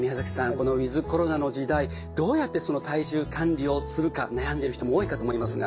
このウィズコロナの時代どうやって体重管理をするか悩んでる人も多いかと思いますが。